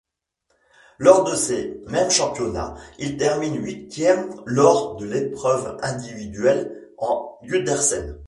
Lors de ces mêmes championnats, il termine huitième lors de l'épreuve individuelle en Gundersen.